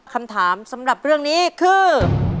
คำถามสำหรับเรื่องนี้คือ